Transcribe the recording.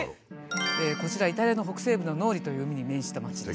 こちらイタリアの北西部のノーリという海に面した町です。